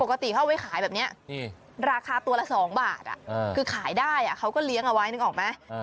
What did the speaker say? ปกติเขาเอาไว้ขายแบบนี้ราคาตัวละ๒บาทคือขายได้เขาก็เลี้ยงเอาไว้นึกออกไหม